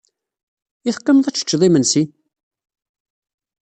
I teqqimed ad teččed imensi?